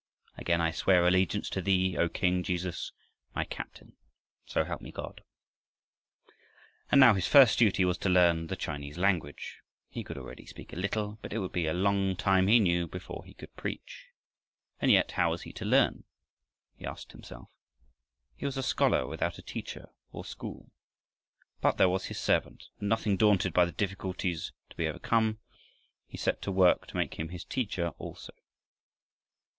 Again I swear allegiance to thee, O King Jesus, my Captain. So help me God!" And now his first duty was to learn the Chinese language. He could already speak a little, but it would be a long time, he knew, before he could preach. And yet, how was he to learn? he asked himself. He was a scholar without a teacher or school. But there was his servant, and nothing daunted by the difficulties to be overcome, he set to work to make him his teacher also.